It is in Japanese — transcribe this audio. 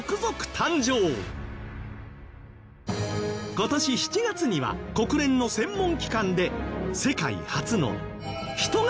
今年７月には国連の専門機関で世界初の人型